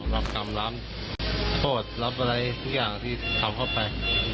รับกรรมรับโทษรับอะไรทุกอย่างที่ทำเข้าไป